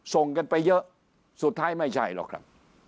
ส่งกันไปเยอะสุดท้ายไม่ใช่หรอกครับ